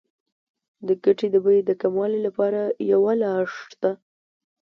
د ګټې د بیې د کموالي لپاره یوه لار شته